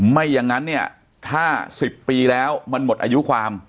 ไม่อย่างนั้นเนี่ยถ้า๑๐ปีแล้วมันหมดอายุความ